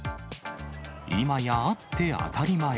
今やあって当たり前。